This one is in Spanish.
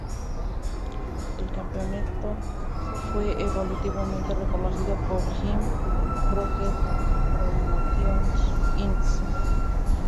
El campeonato fue eventualmente reconocido por Jim Crockett Promotions, Inc.